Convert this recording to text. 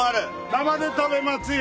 生で食べますよ生で。